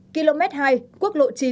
km hai quốc lộ chín